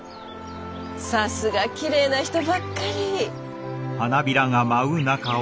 さすがきれいな人ばっかり。